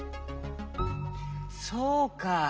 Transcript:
そうか。